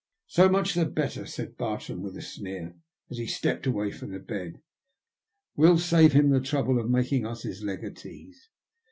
" So much the better," said Bartrand with a sneer, as he stepped away from the bed. " We'll save him the trouble of making us his legatees."